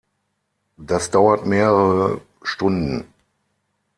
Das dauert mehrere Stunden.